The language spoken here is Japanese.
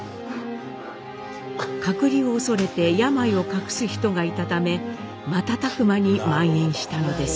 隔離を恐れて病を隠す人がいたため瞬く間にまん延したのです。